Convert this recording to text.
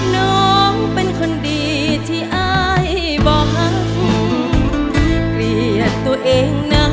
น้องเป็นคนดีที่ไอบ้างเกลียดตัวเองน้ำ